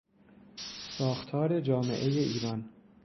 ساختار جامعهی ایران